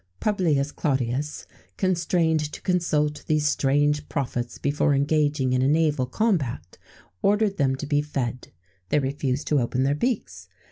[XVII 28] Publius Claudius, constrained to consult these strange prophets before engaging in a naval combat, ordered them to be fed; they refused to open their beaks.